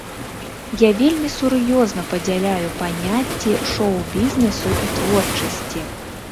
Я вельмі сур'ёзна падзяляю паняцці шоу-бізнесу і творчасці.